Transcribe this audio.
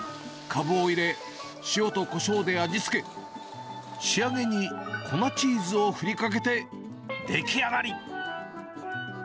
かぶを入れ、塩とこしょうで味付け、仕上げに粉チーズを振りかけて出来上がり。